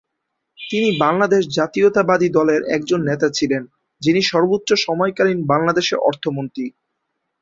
তিনি বাংলাদেশ জাতীয়তাবাদী দলের একজন নেতা ছিলেন যিনি সর্বোচ্চ সময়কালীন বাংলাদেশের অর্থমন্ত্রী।